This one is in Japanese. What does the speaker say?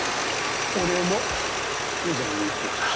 俺も無罪に一票だ。